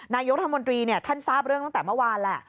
นายกรัฐมนตรีท่านทราบเรื่องตั้งแต่เมื่อวานแหละ